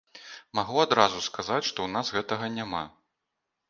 Магу адразу сказаць, што ў нас гэтага няма.